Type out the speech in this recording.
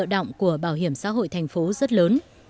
động của bảo hiểm xã hội thành phố rất lớn